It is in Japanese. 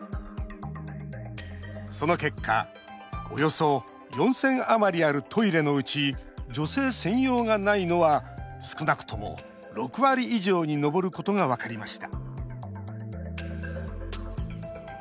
その結果およそ４０００余りあるトイレのうち女性専用がないのは少なくとも６割以上に上ることが分かりました。